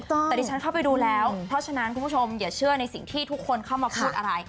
แต่ดิฉันเข้าไปดูแล้วเพราะฉะนั้นคุณผู้ชมอย่าเชื่อในสิ่งที่ทุกคนเข้ามาพูดอะไร